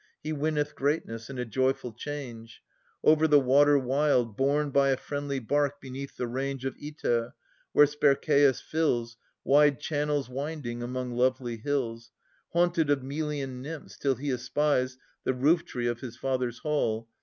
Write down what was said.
He winneth greatness and a joyful change ; Over the water wild Borne by a friendly bark beneath the range Of Oeta, where Spercheius fills Wide channels winding among lovely hills Haunted of Melian nymphs, till he espies The roof tree of his father's hall.